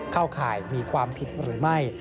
เข้าข่ายมีความผิดหรือไม่